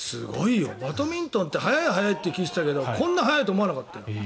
バドミントンって速い速いって聞いてたけどこんなに速いと思わなかった。